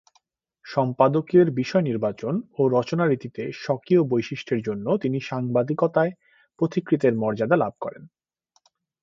সম্পাদকীয়ের বিষয় নির্বাচন ও রচনারীতিতে স্বকীয় বৈশিষ্ট্যের জন্য তিনি সাংবাদিকতায় পথিকৃতের মর্যাদা লাভ করেন।